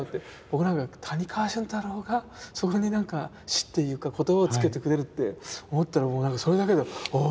僕なんか谷川俊太郎がそこになんか詩っていうか言葉をつけてくれるって思ったらもうなんかそれだけでお！